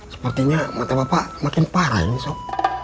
sepertinya mata bapak makin parah ini sok